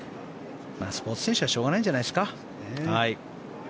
スポーツ選手はしょうがないんじゃないですか。